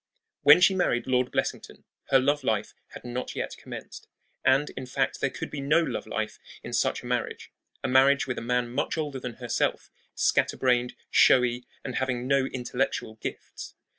When she married Lord Blessington her love life had not yet commenced; and, in fact, there could be no love life in such a marriage a marriage with a man much older than herself, scatter brained, showy, and having no intellectual gifts.